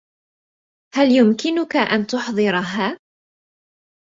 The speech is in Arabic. هل يمكنك أن تحضرها؟